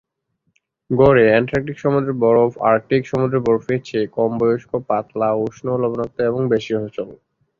গড়ে অ্যান্টার্কটিক সমুদ্রের বরফ আর্কটিক সমুদ্রের বরফের চেয়ে কম বয়স্ক, পাতলা, উষ্ণ, লবণাক্ত এবং বেশি সচল।